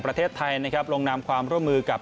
ประเทศไทยลงนามความร่วมมือกับ